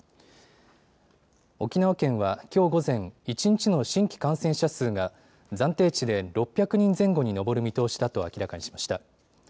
沖縄県はきょう午前、一日の新規感染者数が暫定値で６００人前後に上る見通しだと明らかにしました。